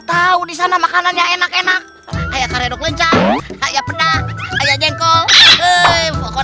tahu di sana makanannya enak enak ayah kare dokumencah saya pernah ayah jengkol hei pokok